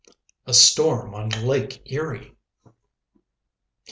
A STORM ON LAKE ERIE.